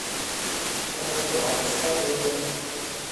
ஓ, அது சரி.